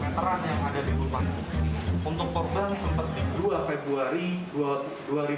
seteran yang ada di rumah untuk korban seperti